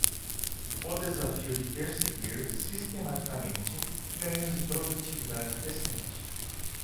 o desafio de perseguir, sistematicamente, ganhos de produtividade crescente